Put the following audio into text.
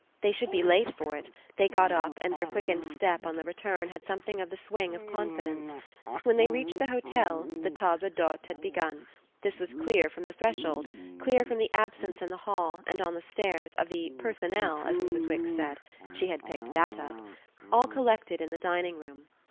They should be late for it; they got up, and their quickened step on the return had something of the swing of confidence. When they reached the hotel the table d'hôte had begun; this was clear from the threshold, clear from the absence in the hall and on the stairs of the "personnel," as Mrs. Wix said she had picked THAT up all collected in the dining room.